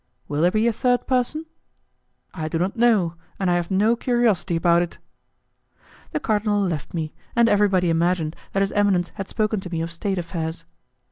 "Will there be a third person?" "I do not know, and I have no curiosity about it." The cardinal left me, and everybody imagined that his eminence had spoken to me of state affairs.